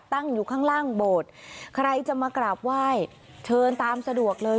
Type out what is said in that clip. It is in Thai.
ตั้งอยู่ข้างล่างโบสถ์ใครจะมากราบไหว้เชิญตามสะดวกเลย